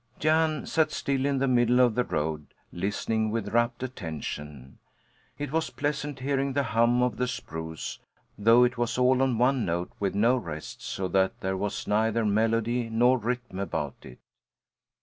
Jan sat still in the middle of the road, listening with rapt attention. It was pleasant hearing the hum of the spruce, though it was all on one note, with no rests, so that there was neither melody nor rhythm about it.